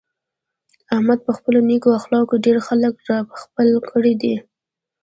احمد په خپلو نېکو اخلاقو ډېر خلک را خپل کړي دي.